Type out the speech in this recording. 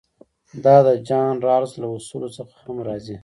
دا د جان رالز له اصولو څخه هم راځي.